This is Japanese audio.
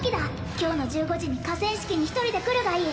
「今日の１５時に河川敷に一人で来るがいい！！